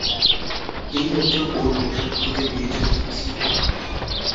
কেউ একজন ওর ওষুধ খুঁজে পেয়েছে দেখছি।